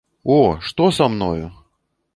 О, што са мною?!.